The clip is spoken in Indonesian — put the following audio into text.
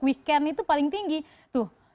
weekend itu paling tinggi tuh